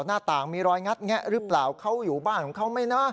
หน้าต่างมีรอยงัดแงะหรือเปล่าเขาอยู่บ้านของเขาไหมนะ